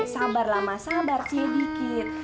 sabar lama sabar sedikit